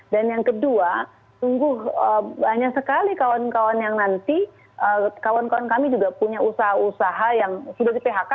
dan yang kedua tunggu banyak sekali kawan kawan yang nanti kawan kawan kami juga punya usaha usaha yang sudah di phk